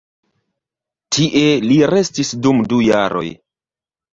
Tie li restis dum du jaroj.